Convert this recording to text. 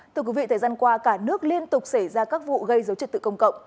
thưa quý vị thời gian qua cả nước liên tục xảy ra các vụ gây dấu trật tự công cộng